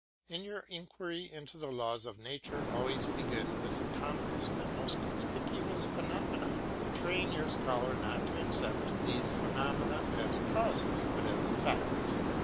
In your inquiry into the laws of nature always begin with the commonest and most conspicuous phenomena, and train your scholar not to accept these phenomena as causes but as facts.